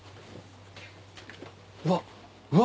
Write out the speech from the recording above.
うわうわ！